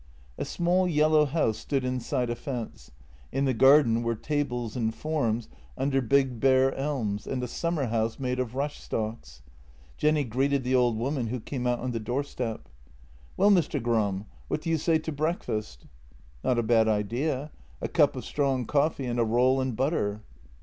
A small, yellow house stood inside a fence; in the garden were tables and forms under big, bare elms, and a summer house made of rush stalks. Jenny greeted the old woman who came out on the doorstep. " Well, Mr. Gram, what do you say to breakfast? " "Not a bad idea. A cup of strong coffee and a roll and butter."